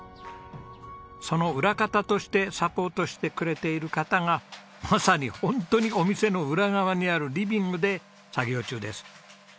その裏方としてサポートしてくれている方がまさにホントにお店の裏側にあるリビングで作業中です。